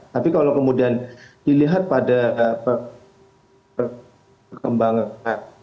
tapi kalau kemudian dilihat pada perkembangan